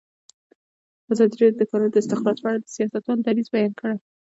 ازادي راډیو د د کانونو استخراج په اړه د سیاستوالو دریځ بیان کړی.